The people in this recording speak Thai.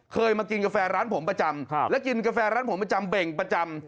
เคยมากินกาแฟร้านผมประจำและกินกาแฟร้านผมประจำเบ่งประจำ